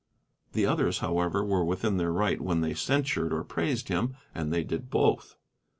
The others, however, were within their right when they censured or praised him, and they did both.